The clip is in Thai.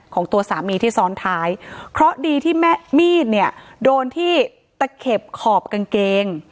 ของตัวสามีที่ซ้อนท้ายเพราะดีที่แม่มีดเนี่ยโดนที่ตะเข็บขอบกางเกง